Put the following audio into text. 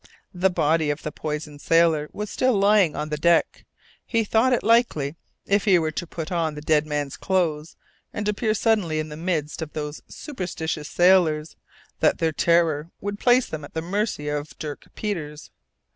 The body of the poisoned sailor was still lying on the deck; he thought it likely, if he were to put on the dead man's clothes and appear suddenly in the midst of those superstitious sailors, that their terror would place them at the mercy of Dirk Peters.